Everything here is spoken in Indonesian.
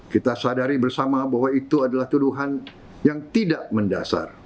kita sadari bersama bahwa itu adalah tuduhan yang tidak mendasar